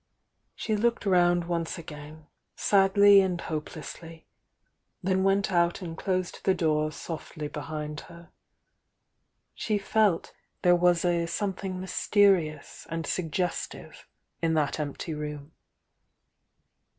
She looked round once again, sadly and hopelessly, — then went out and closed the door softly behind her. She felt there was a sometliing mysterious and suggestive in that empty room.